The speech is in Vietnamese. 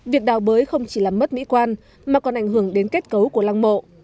việc đào bới không chỉ làm mất mỹ quan mà còn ảnh hưởng đến kết cấu của lăng mộ